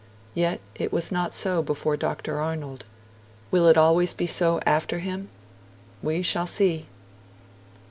Yet it was not so before Dr. Arnold; will it always be so after him? We shall see.